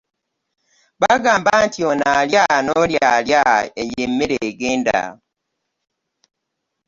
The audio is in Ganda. Bagamba nti ono alya n'oli alya y'emmere egenda.